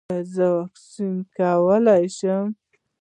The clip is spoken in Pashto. ایا زه اکسرې کولی شم؟